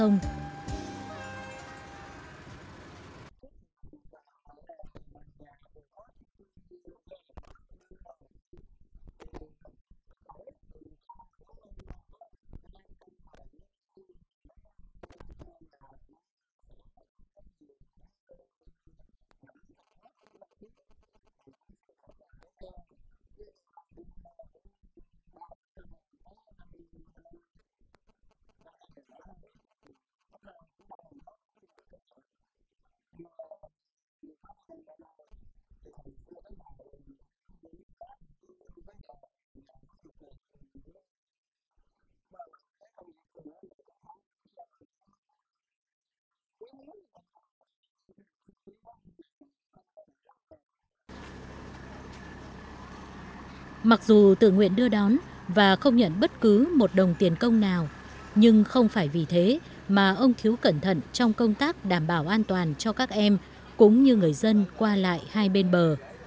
mặc dù tự nguyện đưa đón và không nhận bất cứ một đồng tiền công nào nhưng không phải vì thế mà ông thiếu cẩn thận trong công tác đảm bảo an toàn cho các em cũng như người dân qua lại hai bên bờ